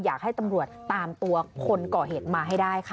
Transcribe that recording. อยากให้ตำรวจตามตัวคนก่อเหตุมาให้ได้ค่ะ